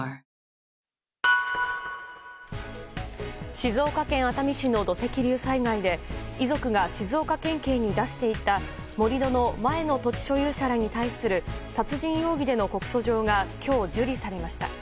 静岡県熱海市の土石流災害で遺族が静岡県警に出していた盛り土の前の土地所有者らに対する殺人容疑での告訴状が今日受理されました。